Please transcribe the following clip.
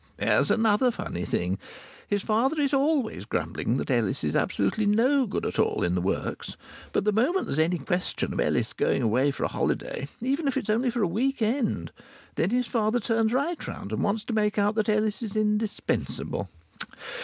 There's another funny thing! His father is always grumbling that Ellis is absolutely no good at all at the works, but the moment there's any question of Ellis going away for a holiday even if it's only a week end then his father turns right round and wants to make out that Ellis is absolutely indispensable.